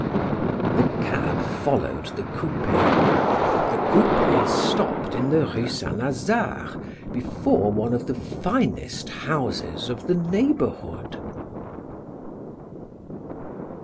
The cab followed the coupe. The coupe stopped in the Rue Saint Lazare before one of the finest houses of the neighborhood.